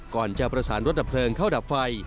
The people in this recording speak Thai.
ก่อนจะประสานรถดับเพลิงเข้าดับไฟ